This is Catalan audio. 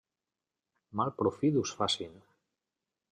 Mal profit us facin.